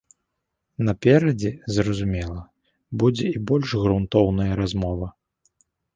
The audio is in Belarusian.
Наперадзе, зразумела, будзе і больш грунтоўная размова.